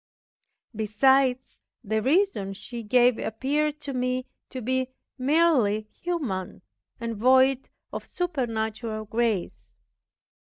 Besides, the reason she gave appeared to me to be merely human, and void of supernatural grace.